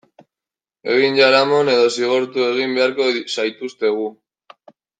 Egin jaramon edo zigortu egin beharko zaituztegu.